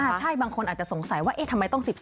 ใช่บางคนอาจจะสงสัยว่าเอ๊ะทำไมต้อง๑๒